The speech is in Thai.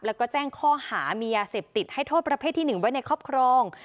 แล้วก็แจ้งข้อหามียาเสพติดให้โทษประเภทที่๑ไว้ในครอบครอง